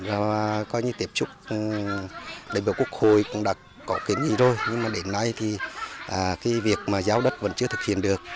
và coi như tiếp xúc đại biểu quốc hội cũng đã có kiến nghị rồi nhưng mà đến nay thì cái việc mà giao đất vẫn chưa thực hiện được